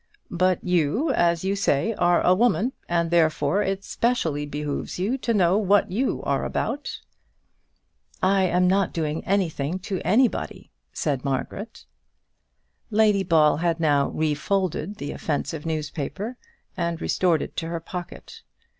But you, as you say, are a woman, and therefore it specially behoves you to know what you are about." "I am not doing anything to anybody," said Margaret. Lady Ball had now refolded the offensive newspaper, and restored it to her pocket.